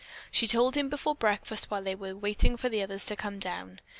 She told him before breakfast while they were waiting for the others to come down.